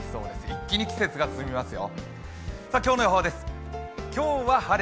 一気に季節が進みますよ。